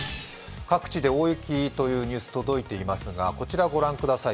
各地で大雪というニュース届いていますが、こちらご覧ください。